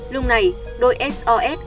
lúc này đôi sos